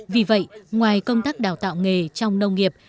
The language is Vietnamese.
vì vậy ngoài công tác đào tạo nghề trong nông nghiệp